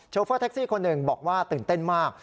โฟเฟอร์แท็กซี่คนหนึ่งบอกว่าตื่นเต้นมาก